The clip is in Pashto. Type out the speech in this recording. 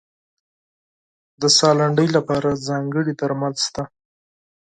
د ساه لنډۍ لپاره ځانګړي درمل شته.